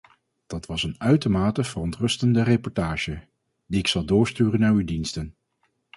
Dat was een uitermate verontrustende reportage, die ik zal doorsturen naar uw diensten.